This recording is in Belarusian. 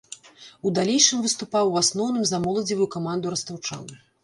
У далейшым выступаў у асноўным за моладзевую каманду растаўчан.